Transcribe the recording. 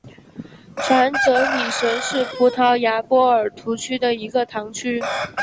凡泽里什是葡萄牙波尔图区的一个堂区。